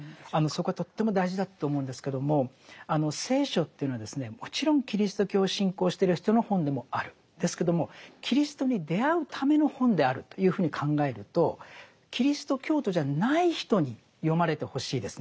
そこはとっても大事だと思うんですけども聖書というのはですねもちろんキリスト教を信仰してる人の本でもあるんですけどもキリストに出会うための本であるというふうに考えるとキリスト教徒じゃない人に読まれてほしいですね